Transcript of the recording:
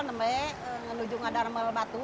untuk menuju ke darmel batu